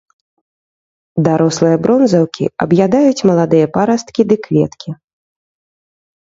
Дарослыя бронзаўкі аб'ядаюць маладыя парасткі ды кветкі.